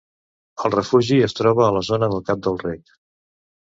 El refugi es troba a la zona del Cap del Rec.